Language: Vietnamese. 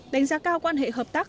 đánh giá cao quan hệ hợp tác